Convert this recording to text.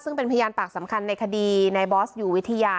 ซึ่งเป็นพยานปากสำคัญในคดีในบอสอยู่วิทยา